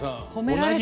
褒められた。